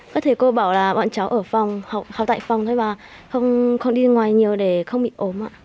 các thầy cô bảo là bọn cháu ở phòng học tại phòng thôi và không đi ngoài nhiều để không bị ốm ạ